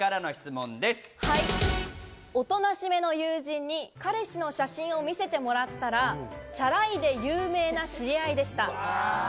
２０代おとなしめの友人に彼氏の写真を見せてもらったらチャラいで有名な知り合いでした。